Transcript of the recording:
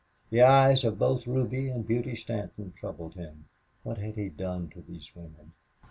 The eyes of both Ruby and Beauty Stanton troubled him. What had he done to these women?